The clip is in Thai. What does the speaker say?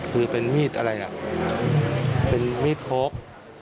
คือเป็นมีดอะไรน่ะเป็นมีดพก